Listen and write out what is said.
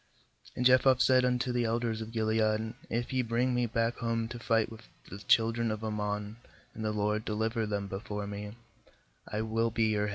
9And Jephthah said unto the elders of Gilead: 'If ye bring me back home to fight with the children of Ammon, and the LORD deliver them before me, I will be your head.'